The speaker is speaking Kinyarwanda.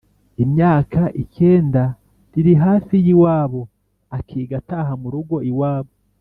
imyaka ikenda riri hafi y’iwabo, akiga ataha mu rugo iwabo.